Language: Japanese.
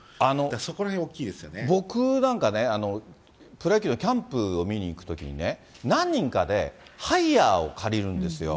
そこらへん、僕なんかね、プロ野球のキャンプを見にいくときに、何人かでハイヤーを借りるんですよ。